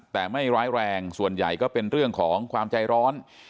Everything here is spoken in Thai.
แต่ไม่ร้ายแรงส่วนใหญ่ก็เป็นเรื่องของความใจร้อน